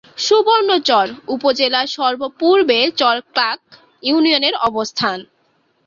সুবর্ণচর উপজেলার সর্ব-পূর্বে চর ক্লার্ক ইউনিয়নের অবস্থান।